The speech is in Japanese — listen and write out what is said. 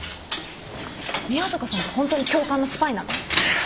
宮坂さんってホントに教官のスパイなの？